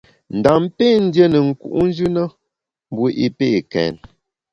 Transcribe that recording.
Ndam pé ndié ne nku’njù na mbu i pé kèn.